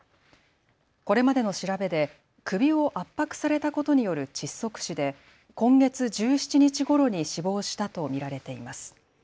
これまでの調べで首を圧迫されたことによる窒息死で今月１７日ごろに死亡したと見られています。